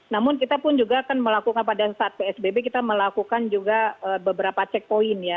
namun kita pun juga akan melakukan pada saat psbb kita melakukan juga beberapa checkpoint ya